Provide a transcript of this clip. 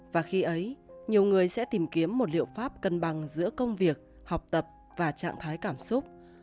và khi ấy nhiều người sẽ tìm kiếm một liệu pháp cân bằng giữa công việc học tập và trạng thái cảm xúc